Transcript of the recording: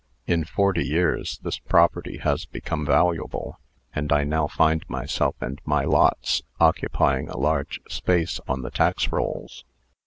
In forty years, this property has become valuable; and I now find myself and my lots occupying a large space on the tax rolls.